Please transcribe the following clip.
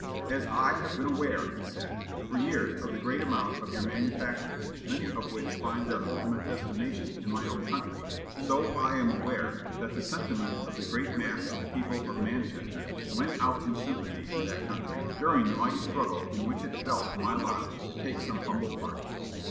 "As I have been aware," he said, "for years of the great amount of your manufactures, many of which find their ultimate destination in my own country, so I am aware that the sentiments of the great mass of the people of Manchester went out in sympathy to that country during the mighty struggle in which it fell to my lot to take some humble part."